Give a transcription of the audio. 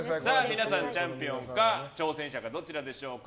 皆さん、チャンピオンか挑戦者かどちらでしょうか。